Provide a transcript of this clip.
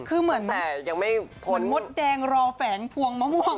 คือเหมือนมดแดงรอแฝงพวงมะม่วง